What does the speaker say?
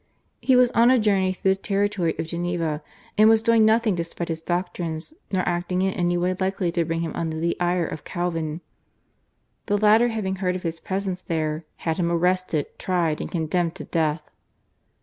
He was on a journey through the territory of Geneva and was doing nothing to spread his doctrines nor acting in any way likely to bring him under the ire of Calvin. The latter having heard of his presence there had him arrested, tried, and condemned to death.